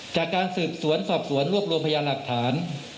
จากการสืบสวนสอบสวนรวบรวมพยานหลักฐาน